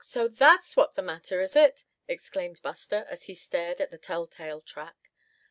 so that's what the matter, is it?" exclaimed Buster, as he stared at the telltale track.